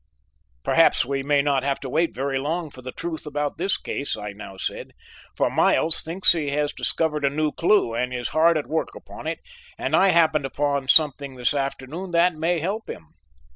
"Perhaps we may not have to wait very long for the truth about this case," I now said, "for Miles thinks he has discovered a new clue and is hard at work upon it and I happened upon something this afternoon that may help him."